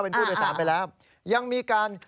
เป็นผู้โดยสารไปแล้วยังมีการ